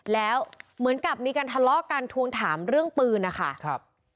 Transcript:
แล้วเหมือนกับมีการทะเลาะกันทวงถามเรื่องปืนนะคะครับ